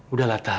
udah lah ta